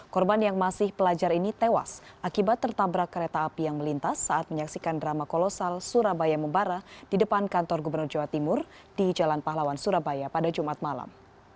korban yang masih pelajar ini tewas akibat tertabrak kereta api yang melintas saat menyaksikan drama kolosal surabaya membara di depan kantor gubernur jawa timur di jalan pahlawan surabaya pada jumat malam